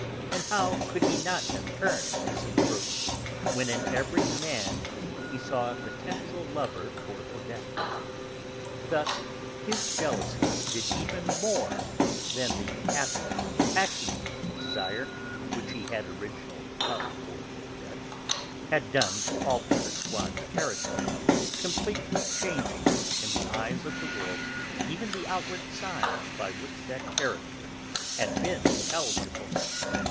And how could he not have turned misanthrope, when in every man he saw a potential lover for Odette? Thus his jealousy did even more than the happy, passionate desire which he had originally felt for Odette had done to alter Swann's character, completely changing, in the eyes of the world, even the outward signs by which that character had been intelligible.